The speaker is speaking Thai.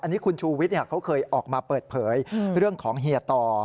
อันนี้คุณชูวิทย์เขาเคยออกมาเปิดเผยเรื่องของเฮียต่อ